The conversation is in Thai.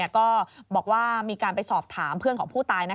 ก็บอกว่ามีการไปสอบถามเพื่อนของผู้ตาย